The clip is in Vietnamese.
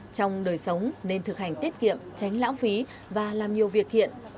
trong đời sống nên thực hành tiết kiệm tránh lãng phí và làm nhiều việc thiện